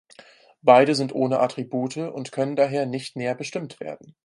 Beide sind ohne Attribute und können daher nicht näher bestimmt werden.